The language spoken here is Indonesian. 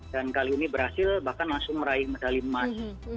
dan kali ini berhasil bahkan langsung meraih medali emas